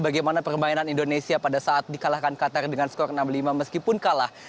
bagaimana permainan indonesia pada saat dikalahkan qatar dengan skor enam puluh lima meskipun kalah